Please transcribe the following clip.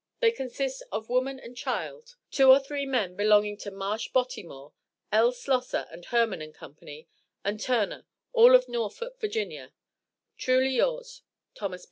They consist of woman and child 2 or 3 men belonging to Marsh Bottimore, L. Slosser and Herman & Co and Turner all of Norfolk, Va. Truly yours, THOS.